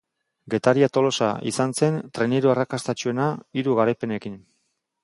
Getaria-Tolosa izan zen traineru arrakastatsuena, hiru garaipenekin.